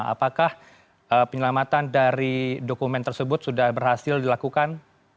apakah penyelamatan dari dokumen tersebut sudah berhasil dilakukan